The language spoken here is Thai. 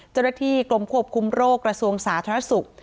เจริธีกรมควบคุมโรครสวงศาสนสุข